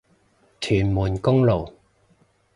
屯門公路